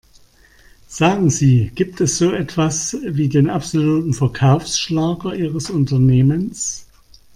Sagen Sie, gibt es so etwas wie den absoluten Verkaufsschlager ihres Unternehmens?